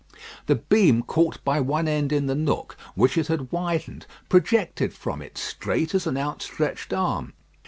The beam caught by one end in the nook, which it had widened, projected from it straight as an outstretched arm.